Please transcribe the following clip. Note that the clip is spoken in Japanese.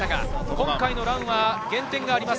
今回のランは減点があります。